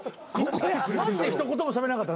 マジで一言もしゃべらなかったな？